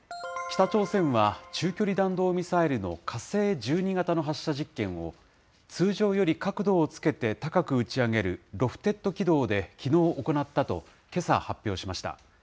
北朝鮮は中距離弾道ミサイルの火星１２型の発射実験を、通常より角度をつけて高く打ち上げる、ロフテッド軌道で、きのう行ったとけさ発表しました。